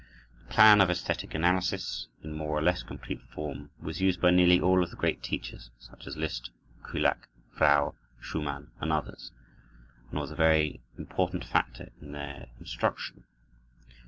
The plan of esthetic analysis, in more or less complete form, was used by nearly all of the great teachers, such as Liszt, Kullak, Frau Schumann, and others, and was a very important factor in their instruction.